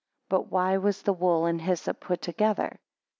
8 But why was the wool and hyssop put together?